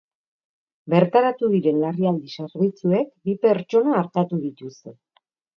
Bertaratu diren larrialdi zerbitzuek bi pertsona artatu dituzte.